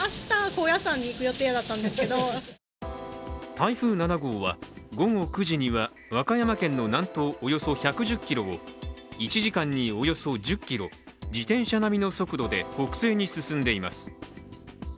台風７号は午後９時には和歌山県の南東およそ１３０キロを１時間におよそ１０キロ、自転車並みの速度で北西に進んでいます。